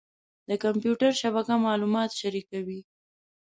د کمپیوټر شبکه معلومات شریکوي.